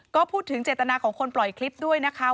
ก็พูดถึงเจตนาของคนปล่อยคลิปด้วยนะคะ